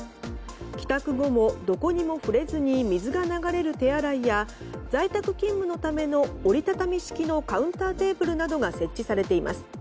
帰宅後も、どこにも触れずに水が流れる手洗いや在宅勤務のための折り畳み式のカウンターテーブルなどが設置されています。